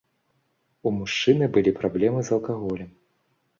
У мужчыны былі праблемы з алкаголем.